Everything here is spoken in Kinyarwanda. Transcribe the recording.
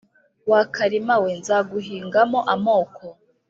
wa karima we nzaguhingamo amoko